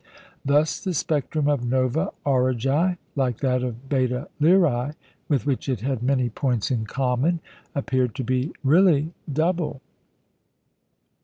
Thus the spectrum of Nova Aurigæ, like that of Beta Lyræ, with which it had many points in common, appeared to be really double.